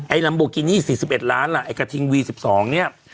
ลัมโบกินี่๔๑ล้านล่ะไอ้กระทิงวี๑๒เนี่ย